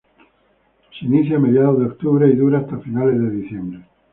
Se inicia a mediados de octubre y dura hasta finales de diciembre.